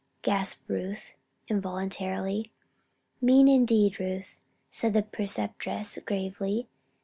gasped Ruth, involuntarily. "Mean indeed, Ruth," said the Preceptress, gravely.